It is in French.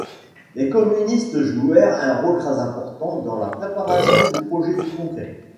Les communistes jouèrent un rôle très important dans la préparation du projet du congrès.